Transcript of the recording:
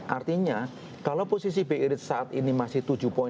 artinya kalau posisi bayrate saat ini masih tujuh lima